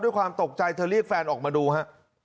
ด้วยความตกใจเธอเรียกแฟนออกมาดูฮะ